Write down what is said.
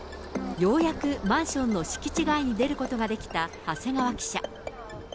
ようやくマンションの敷地外に出ることができた長谷川記者。